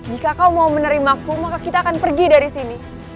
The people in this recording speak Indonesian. jika kau mau menerimaku maka kita akan pergi dari sini